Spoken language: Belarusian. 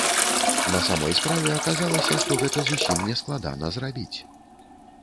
На самой справе, аказалася, што гэта зусім не складана зрабіць.